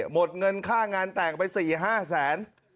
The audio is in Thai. หมดเงินค่างานแต่งไป๔๕แสน